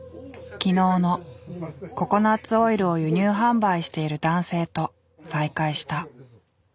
昨日のココナツオイルを輸入販売している男性と再会した。